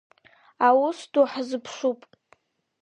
Аус ду ҳзыԥшуп.